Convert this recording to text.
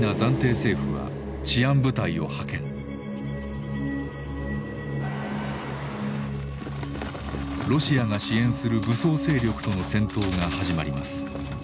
ロシアが支援する武装勢力との戦闘が始まります。